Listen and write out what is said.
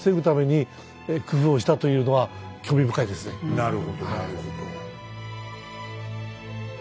なるほどなるほど。